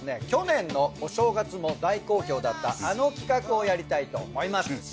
去年のお正月も大好評だったあの企画をやりたいと思います。